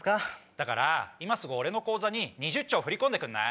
だから今すぐ俺の口座に２０兆振り込んでくんない？